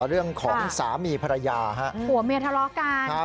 เรื่องของสามีภรรยาฮะผัวเมียทะเลาะกันครับ